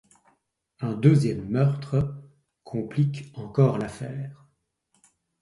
Un deuxième meurtre complique encore l'affaire...